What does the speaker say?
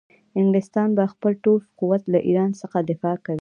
انګلستان به په خپل ټول قوت له ایران څخه دفاع کوي.